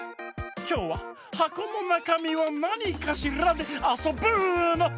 きょうは「はこのなかみはなにかしら？」であそぶの！